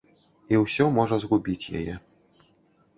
І ўсё можа згубіць яе.